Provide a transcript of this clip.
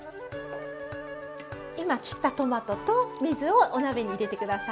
今切ったトマトと水をお鍋に入れて下さい。